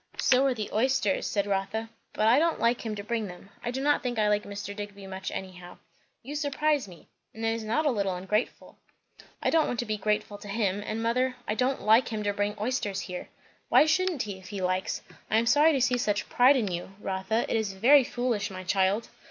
"So are the oysters," said Rotha; "but I don't like him to bring them. I do not think I like Mr. Digby much, anyhow." "You surprise me. And it is not a little ungrateful." "I don't want to be grateful to him. And mother, I don't like him to bring oysters here!" "Why shouldn't he, if he likes? I am sorry to see such pride in you, Rotha. It is very foolish, my child."